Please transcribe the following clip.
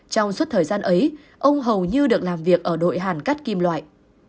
trong suốt thời gian ấy ông hầu như được làm việc ở đội hàn cắt kim loại